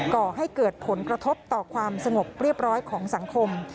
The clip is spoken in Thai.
ก่อให้เกิดผลกระทบต่อความสงบเรียบร้อยของสังคม